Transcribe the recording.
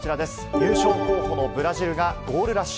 優勝候補のブラジルがゴールラッシュ。